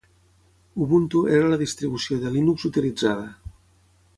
Ubuntu era la distribució de Linux utilitzada.